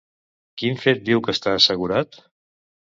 Quin fet diu que està assegurat?